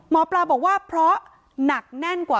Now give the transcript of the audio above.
การแก้เคล็ดบางอย่างแค่นั้นเอง